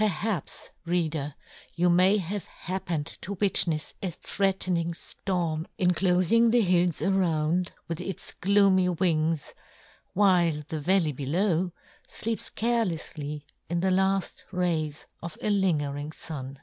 ERH APS, Reader, you may have happened to witnefs a threatening ftorm en clofing the hills around with its gloomy wings, while the valley below fleeps carelefsly in the laft rays of a lingering fun.